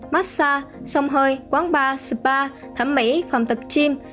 massage sông hơi quán bar spa thẩm mỹ phòng tập gym